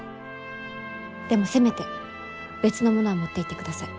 でもせめて別のものは持っていってください。